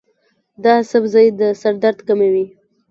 دا سبزی د سر درد کموي.